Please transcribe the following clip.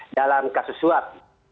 dalam kasus suap